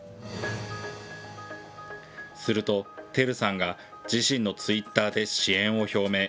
すると、ＴＥＲＵさんが自身のツイッターで支援を表明。